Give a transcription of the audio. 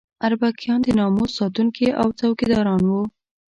اربکیان د ناموس ساتونکي او څوکیداران وو.